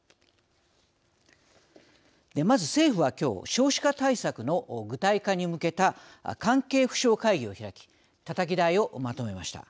まず政府は今日少子化対策の具体化に向けた関係府省会議を開きたたき台をまとめました。